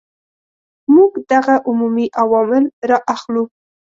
موږ دغه عمومي عوامل را اخلو.